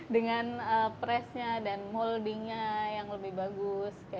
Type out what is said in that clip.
dengan press nya dan molding nya yang lebih bagus